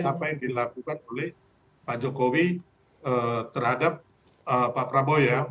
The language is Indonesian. apa yang dilakukan oleh pak jokowi terhadap pak prabowo ya